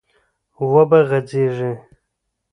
و به غځېږي،